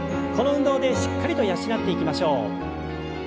この運動でしっかりと養っていきましょう。